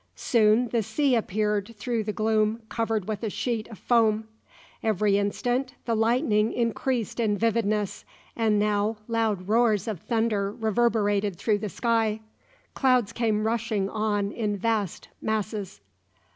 Soon the sea appeared through the gloom covered with a sheet of foam. Every instant the lightning increased in vividness, and now loud roars of thunder reverberated through the sky. Clouds came rushing on in vast masses.